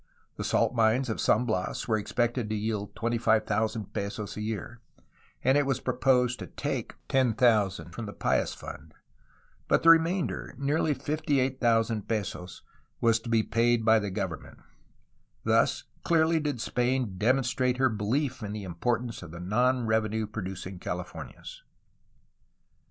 The salt mines of San Bias were expected to yield 25,000 pesos a year, and it was proposed to take 10,000 from the Pious Fund, but the remainder, nearly 58,000 pesos, was to be paid by the government. Thus clearly did Spain demonstrate her belief in the importance of the non revenue producing Calif ornias.